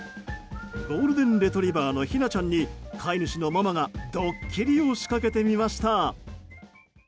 ゴールデンレトリバーのひなちゃんに飼い主のママがドッキリを仕掛けてみました。